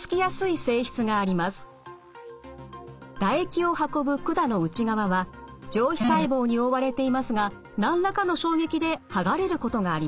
唾液を運ぶ管の内側は上皮細胞に覆われていますが何らかの衝撃ではがれることがあります。